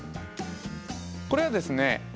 これはですね